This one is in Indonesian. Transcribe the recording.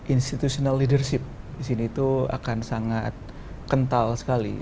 institutional leadership di sini itu akan sangat kental sekali